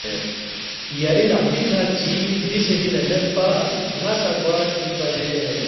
یری لقپی کھہ چی ربسے مِنے میدپا ن٘ا سہ گوا کھیُودپا مید